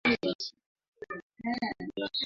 Mnyama anapenda kujisugua kwenye vitu